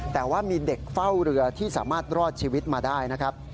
แต่ว่ามีเด็กเฝ้าเรือที่สามารถรอดชีวิตมาได้นะครับ